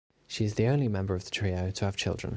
She is the only member of the trio to have children.